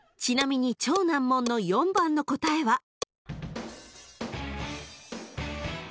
［ちなみに超難問の４番の答えは］